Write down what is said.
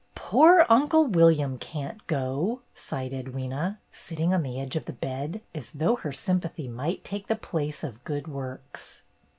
"Poor Uncle William can't go," sighed Edwyna, sitting on the edge of the bed, as though her sympathy might take the place of good works.